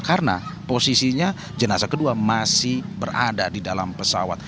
karena posisinya jenazah kedua masih berada di dalam pesawat